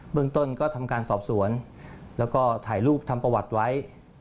เมืองต้นก็ทำการสอบสวนแล้วก็ถ่ายรูปทำประวัติไว้